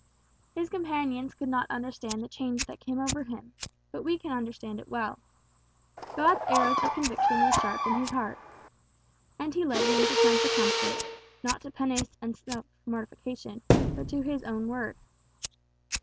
His companions could not understand the change that came over him but we can understand it well. God's arrows of conviction were sharp in his heart. And he led him to turn for comfort, not to penance and self mortification, but to his own Word.